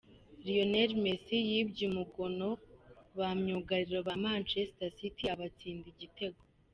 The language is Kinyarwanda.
Lionel Messi yibye umugono ba myugariro ba Manchester City abatsinda igitego.